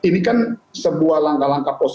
nah ini kan sebuah langkah langkah progres